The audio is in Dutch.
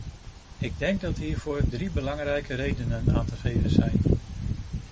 Ik denk dat hiervoor drie belangrijke redenen aan te geven zijn.